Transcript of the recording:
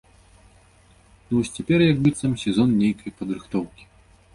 Ну, вось цяпер як быццам сезон нейкай падрыхтоўкі.